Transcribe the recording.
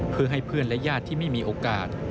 เพื่อให้เพื่อนและญาติที่ไม่มีโอกาส